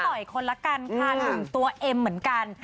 อีกคนละกันค่ะหนุ่มตัวเอ็มเหมือนกัน